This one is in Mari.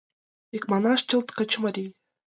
Икманаш, чылт качымарий.